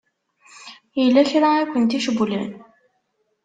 Yella kra i ken-icewwlen?